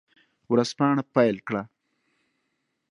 ورځپاڼه پیل کړه.